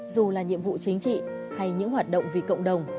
dù là nhiệm vụ chính trị hay những hoạt động vì cộng đồng